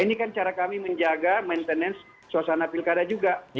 ini kan cara kami menjaga maintenance suasana pilkada juga